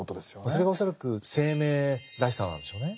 それが恐らく生命らしさなんでしょうね。